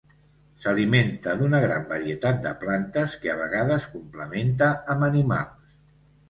S'alimenta d'una gran varietat de plantes, que a vegades complementa amb animals.